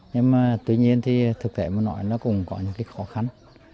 nhưng mà tuy nhiên thì thực tế mà nói nó cũng có những cái khó khăn